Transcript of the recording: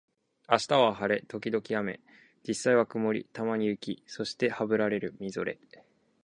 明日は晴れ、時々雨、実際は曇り、たまに雪、そしてハブられるみぞれ